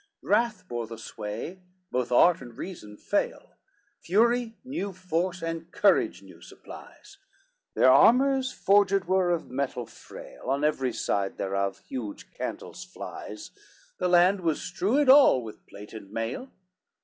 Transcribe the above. XLVIII Wrath bore the sway, both art and reason fail, Fury new force, and courage new supplies, Their armors forged were of metal frail, On every side thereof, huge cantels flies, The land was strewed all with plate and mail.